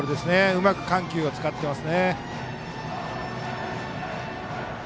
うまく緩急を使っています。